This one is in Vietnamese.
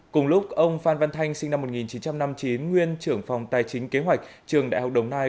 cùng lúc ông phan văn thanh sinh năm một nghìn chín trăm năm mươi chín nguyên trưởng phòng tài chính kế hoạch trường đại học đồng nai